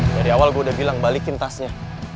dari awal gue udah bilang balikin tasnya